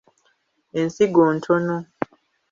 Ensigo ntono.